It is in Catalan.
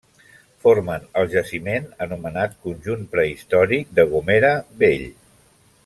Formen el jaciment anomenat Conjunt prehistòric de Gomera Vell.